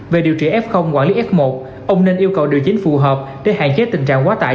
về điều trị f quản lý f một ông nên yêu cầu điều chính phù hợp để hạn chế tình trạng quá tải